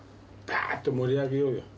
ぱーっと盛り上げようよ。